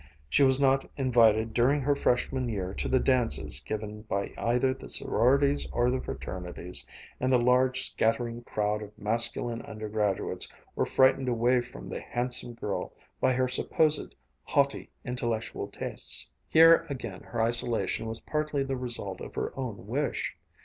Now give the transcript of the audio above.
She was not invited during her Freshman year to the dances given by either the sororities or the fraternities; and the large scattering crowd of masculine undergraduates were frightened away from the handsome girl by her supposed haughty intellectual tastes. Here again her isolation was partly the result of her own wish.